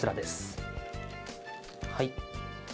はい。